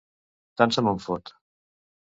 Tant se me'n fot.